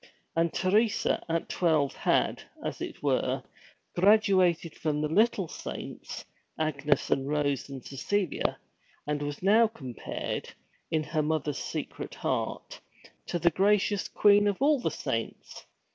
And Teresa at twelve had, as it were, graduated from the little saints, Agnes and Rose and Cecilia, and was now compared, in her mother's secret heart, to the gracious Queen of all the Saints.